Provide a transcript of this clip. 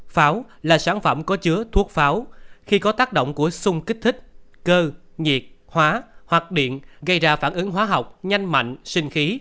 pháo là sản phẩm có chứa thuốc pháo khi có tác động của sung kích thích cơ nhiệt hóa hoặc điện gây ra phản ứng hóa học nhanh mạnh sinh khí